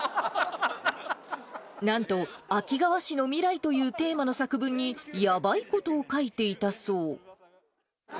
なんと秋川市の未来というテーマの作文に、やばいことを書いていたそう。